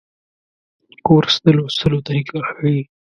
کورس د لوستلو طریقه ښيي.